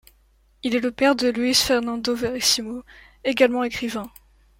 Il est le père de Luis Fernando Veríssimo, également écrivain.